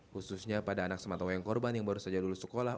khususnya pada anak sematawayang korban yang baru saja lulus sekolah